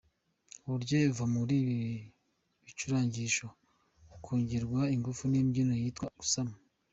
Uburyohe buva muri ibi bicurangisho bukongererwa ingufu n’imbyino yitwa ‘Gusama’.